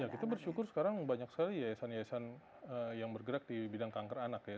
kita bersyukur sekarang banyak sekali yayasan yayasan yang bergerak di bidang kanker anak ya